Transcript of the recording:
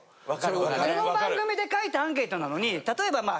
この番組で書いたアンケートなのに例えば。